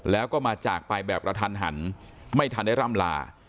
แล้วก็มาจากไปแบบกระทันหันไม่ทันได้ร่ำลา